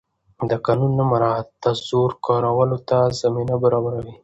د قانون نه مراعت د زور کارولو ته زمینه برابروي